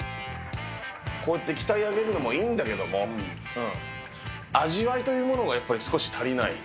こうやって鍛え上げるのもいいんだけれども、味わいというものがやっぱり少し足りない。